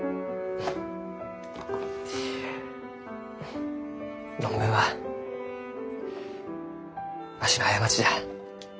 うん論文はわしの過ちじゃ。